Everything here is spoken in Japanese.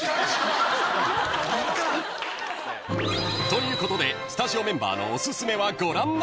［ということでスタジオメンバーのお薦めはご覧のとおり］